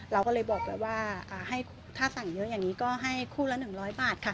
เราก็เลยบอกไปว่าถ้าสั่งเยอะอย่างนี้ก็ให้คู่ละ๑๐๐บาทค่ะ